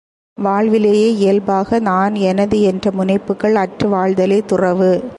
வாழ்விலேயே இயல்பாக நான் எனது என்ற முனைப்புக்கள் அற்று வாழ்தலே துறவு.